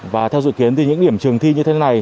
và theo dự kiến thì những điểm trường thi như thế này